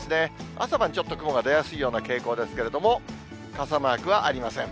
朝晩、ちょっと雲が出やすいような傾向ですけれども、傘マークはありません。